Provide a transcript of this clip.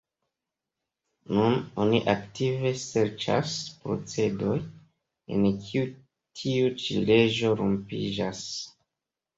Nun oni aktive serĉas procedoj en kiuj tiu ĉi leĝo rompiĝas.